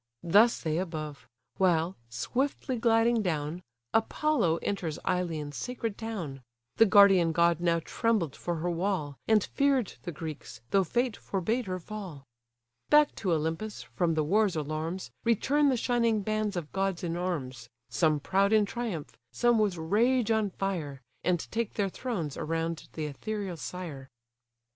Thus they above: while, swiftly gliding down, Apollo enters Ilion's sacred town; The guardian god now trembled for her wall, And fear'd the Greeks, though fate forbade her fall. Back to Olympus, from the war's alarms, Return the shining bands of gods in arms; Some proud in triumph, some with rage on fire; And take their thrones around the ethereal sire.